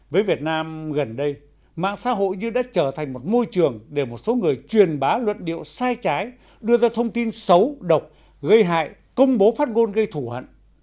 với việt nam gần đây mạng xã hội như đã trở thành một môi trường để một số người truyền bá luận điệu sai trái đưa ra thông tin xấu độc gây hại công bố phát gôn gây thủ hận